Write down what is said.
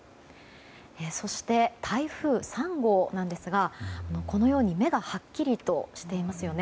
そして、台風３号なんですが目がはっきりとしていますよね。